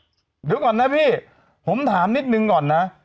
เดี๋ยวก่อนนะหวับฟล์มาไปนะนะเพื่อนผมถามนิดนึงก่อนนะ